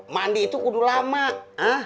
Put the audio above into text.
mandi itu kudu lama